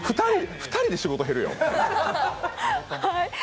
２人で仕事減るよ？